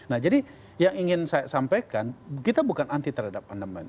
nah jadi yang ingin saya sampaikan kita bukan anti terhadap pandemi